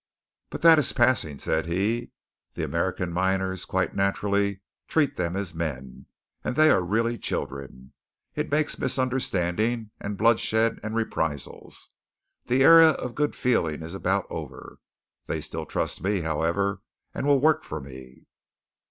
"But that is passing," said he. "The American miners, quite naturally, treat them as men; and they are really children. It makes misunderstanding, and bloodshed, and reprisals. The era of good feeling is about over. They still trust me, however, and will work for me."